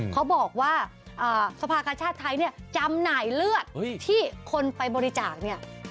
เขาบอกว่าสภากชาติไทยเนี่ยจำหน่ายเลือดที่คนไปบริจาคเนี่ย